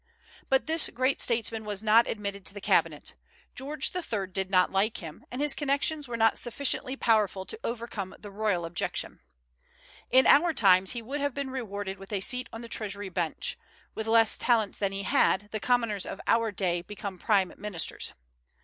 But this great statesman was not admitted to the cabinet; George III. did not like him, and his connections were not sufficiently powerful to overcome the royal objection. In our times he would have been rewarded with a seat on the treasury bench; with less talents than he had, the commoners of our day become prime ministers.